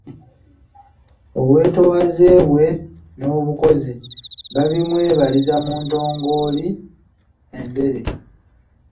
Obwetoowaze bwe n'obukozi babimwebaliza mu ntongooli, endere.